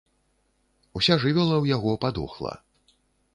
Уся жывёла ў яго падохла.